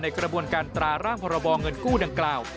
กระบวนการตราร่างพรบเงินกู้ดังกล่าว